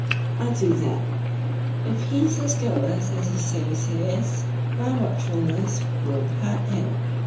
"I do that. If he's as guiltless as he says he is, my watchfulness won't hurt him.